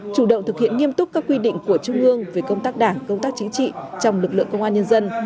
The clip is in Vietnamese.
chủ động thực hiện nghiêm túc các quy định của trung ương về công tác đảng công tác chính trị trong lực lượng công an nhân dân